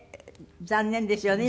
残念ですよね